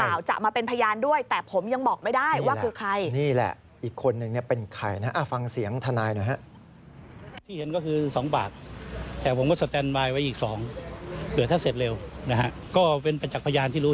ในข่าวจะมาเป็นพยานด้วยแต่ผมยังบอกไม่ได้ว่าคือใคร